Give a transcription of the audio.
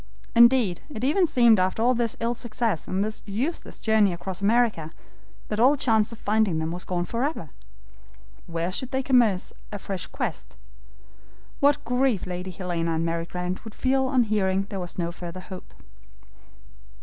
Indeed, it even seemed after this ill success and this useless journey across America, that all chance of finding them was gone forever. Where could they commence a fresh quest? What grief Lady Helena and Mary Grant would feel on hearing there was no further hope.